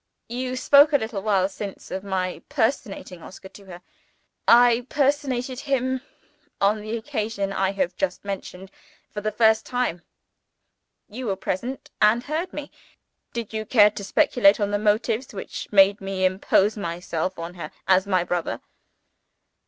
"You spoke, a little while since, of my personating Oscar to her. I personated him, on the occasion I have just mentioned, for the first time. You were present and heard me. Did you care to speculate on the motives which made me impose myself on her as my brother?"